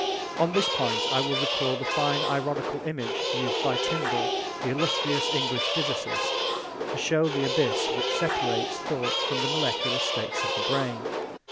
On this point I will recall the fine ironical image used by Tyndall, the illustrious English physicist, to show the abyss which separates thought from the molecular states of the brain.